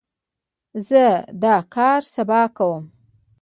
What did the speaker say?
زه دا کار سبا کوم.